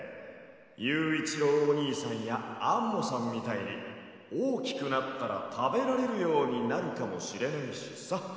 ゆういちろうおにいさんやアンモさんみたいにおおきくなったらたべられるようになるかもしれないしさ。